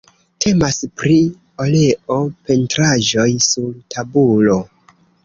Temas pri oleo-pentraĵoj sur tabulo.